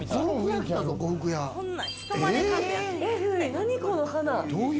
何この花？